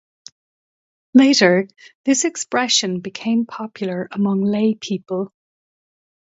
Later, this expression became popular among lay people.